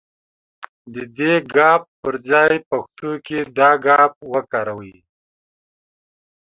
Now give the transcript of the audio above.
د دې ګ پر ځای پښتو کې دا گ وکاروئ.